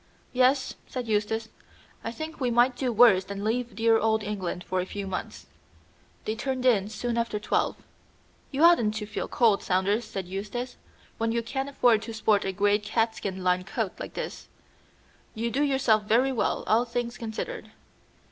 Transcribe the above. "Yes," said Eustace, "I think we might do worse than leave dear old England for a few months." They turned in soon after twelve. "You oughtn't to feel cold, Saunders," said Eustace, "when you can afford to sport a great cat skin lined coat like this. You do yourself very well, all things considered.